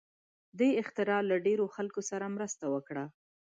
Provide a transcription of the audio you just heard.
دې اختراع له ډېرو خلکو سره مرسته وکړه.